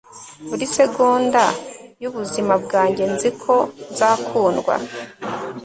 buri segonda yubuzima bwanjye nzi ko nzakundwa